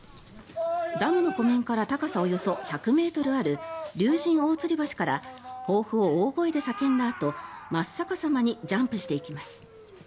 ダムの湖面から高さおよそ１００ｍある竜神大吊橋から抱負を大声で叫んだあと真っ逆さまにジャンプしていきます。